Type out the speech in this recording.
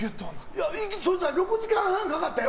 そしたら６時間半かかったよ